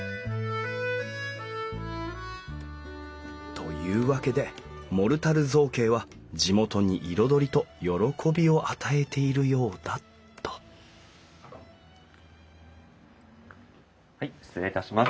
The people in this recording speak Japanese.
というわけでモルタル造形は地元に彩りと喜びを与えているようだとはい失礼いたします。